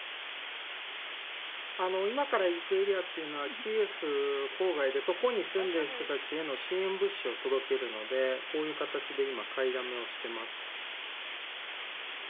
今から行くエリアっていうのはキエフ郊外でそこに住んでる人たちへの支援物資を届けるのでこういう形で今買いだめをしてます。